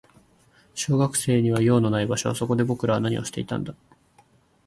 小学生には用のない場所。そこで僕らは何をしていたんだ。